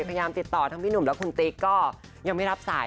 พยายามติดต่อทั้งพี่หนุ่มและคุณติ๊กก็ยังไม่รับสาย